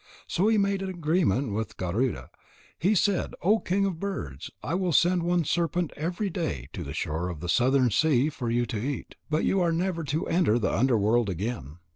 So he made an agreement with Garuda. He said: "O king of birds, I will send one serpent every day to the shore of the southern sea for you to eat. But you are never to enter the underworld again.